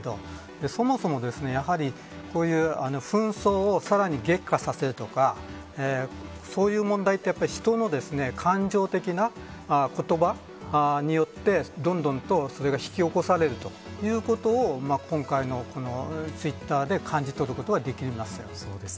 そもそも、やはり紛争をさらに激化させるとかそういう問題って人の感情的な言葉によってどんどんと、それが引き起こされるということを今回のツイッターで感じ取ることはできます。